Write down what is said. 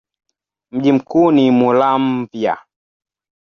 Mji mkuu ni Muramvya.